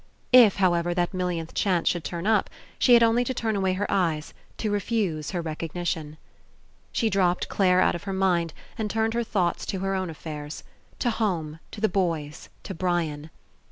If, however, that millionth chance should turn up, she had only to turn away her eyes, to refuse her recognition. She dropped Clare out of her mind and turned her thoughts to her own affairs. To home, to the boys, to Brian.